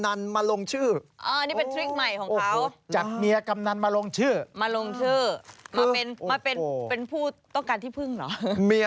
และที่สำคัญตรงนี้